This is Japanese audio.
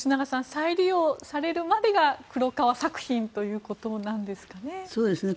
再利用されるまでが黒川作品ということなんですかね。